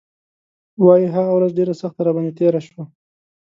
وايي هغه ورځ ډېره سخته راباندې تېره شوه.